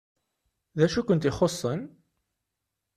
D acu i kent-ixuṣṣen?